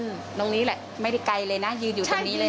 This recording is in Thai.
ตรงนี้แหละไม่ได้ไกลเลยนะยืนอยู่ตรงนี้เลย